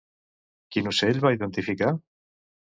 Quin ocell van identificar?